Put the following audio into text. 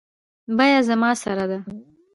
بیه زما سره ده